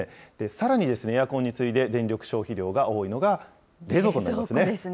さらに、エアコンに次いで電力消費量が多いのが、冷蔵庫になりますね。